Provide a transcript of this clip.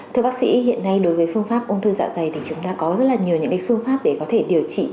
thưa bác sĩ hiện nay đối với phương pháp ung thư dạ dày thì chúng ta có rất là nhiều những phương pháp để có thể điều trị